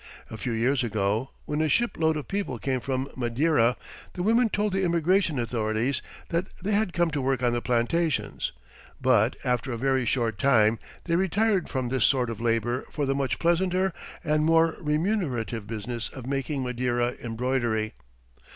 A few years ago, when a ship load of people came from Madeira, the women told the immigration authorities that they had come to work on the plantations. But, after a very short time, they retired from this sort of labour for the much pleasanter and more remunerative business of making Madeira embroidery.